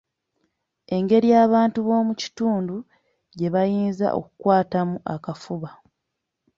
Engeri abantu b’omu kitundu gye bayinza okukwatamu akafuba.